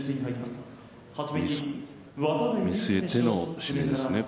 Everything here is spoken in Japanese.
見据えての指名ですよね。